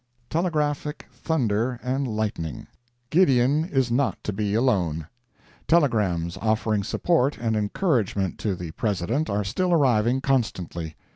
TELEGRAPHIC THUNDER AND LIGHTNING. Gideon is not to be alone. Telegrams offering support and encouragement to the President are still arriving constantly.